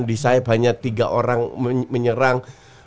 di sayap hanya tiga orang menyerang